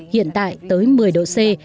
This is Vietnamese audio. hiện tại tới một mươi độ c